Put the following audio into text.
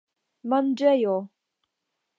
manĝejo